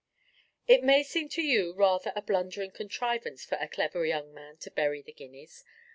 It may seem to you rather a blundering contrivance for a clever young man to bury the guineas.